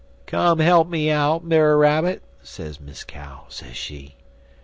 "'Come he'p me out, Brer Rabbit,' sez Miss Cow, sez she.